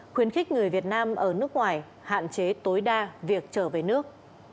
khuyến khích người việt nam ở nước ngoài hạn chế tối đa việc trở về nước